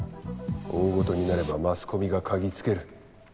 大ごとになればマスコミが嗅ぎつける。